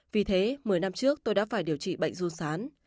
vì thế một mươi năm trước tôi đã phải điều trị bệnh run sán